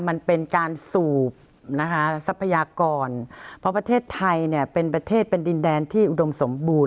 มันเป็นการสูบนะคะทรัพยากรเพราะประเทศไทยเนี่ยเป็นประเทศเป็นดินแดนที่อุดมสมบูรณ